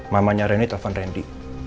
mamanya randy telfon randy